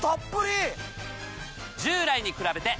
従来に比べて。